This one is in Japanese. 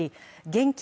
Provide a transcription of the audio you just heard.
現金